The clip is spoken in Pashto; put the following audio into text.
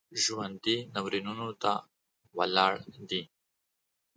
ژوندي ناورینونو ته ولاړ دي